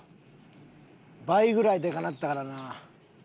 倍ぐらいでかなったからな。